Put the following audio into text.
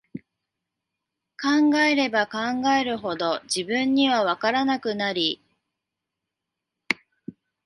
考えれば考えるほど、自分には、わからなくなり、